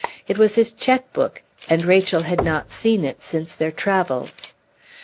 It was his check book, and Rachel had not seen it since their travels.